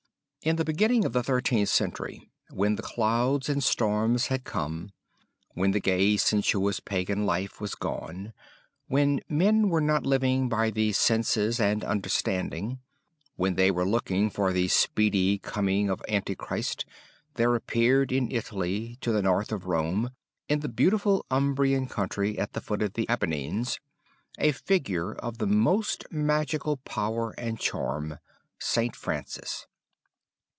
"In the beginning of the Thirteenth Century, when the clouds and storms had come, when the gay sensuous pagan life was gone, when men were not living by the senses and understanding, when they were looking for the speedy coming of Antichrist, there appeared in Italy, to the north of Rome, in the beautiful Umbrian country at the foot of the Appennines, a figure of the most magical power and charm, St. Francis.